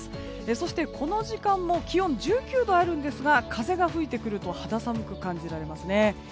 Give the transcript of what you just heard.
そして、この時間も気温、１９度あるんですが風が吹いてくると肌寒く感じられますね。